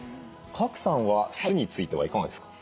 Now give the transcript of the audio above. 賀来さんは酢についてはいかがですか？